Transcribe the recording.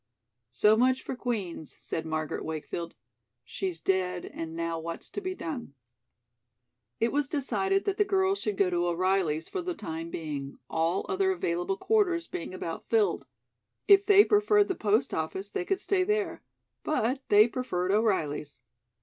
"So much for Queen's," said Margaret Wakefield. "She's dead and now what's to be done?" It was decided that the girls should go to O'Reilly's for the time being, all other available quarters being about filled. If they preferred the post office they could stay there; but they preferred O'Reilly's.